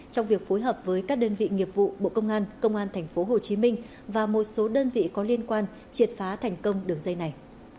trong việc phối hợp với các đơn vị nghiệp vụ bộ công an công an tp hcm và một số đơn vị có liên quan triệt phá thành công đường dây này